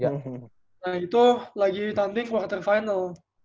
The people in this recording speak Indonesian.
nah itu lagi tanding water final